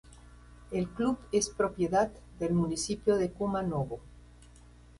El club es propiedad del municipio de Kumanovo.